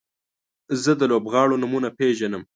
زه د لوبغاړو نومونه پیژنم.